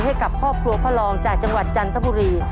ให้กับครอบครัวพ่อรองจากจังหวัดจันทบุรี